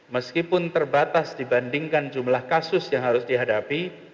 meskipun terbatas dibandingkan jumlah kasus yang harus dihadapi